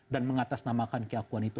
dan mengatasnamakan keakuan itu